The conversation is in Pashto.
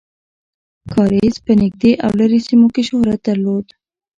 کاریز په نږدې او لرې سیمو کې شهرت درلود.